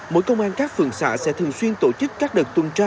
mỗi công an các phường xã sẽ thường xuyên tổ chức các đợt tuần tra